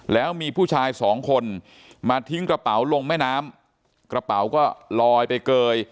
แล้วมีผู้ชายสองคนมาทิ้งกระเป๋าลงแม่น้ำกระเป๋าก็ลอยไปเกย